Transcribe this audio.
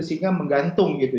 sehingga menggantung gitu